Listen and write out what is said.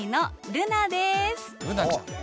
ルナちゃん！